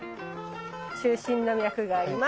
中心の脈があります。